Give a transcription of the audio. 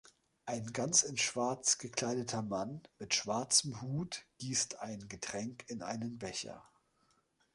Ein ganz in Schwarz gekleideter Mann mit schwarzem Hut gießt ein Getränk in einen Becher.